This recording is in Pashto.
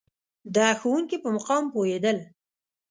د ښوونکي په مقام پوهېدل.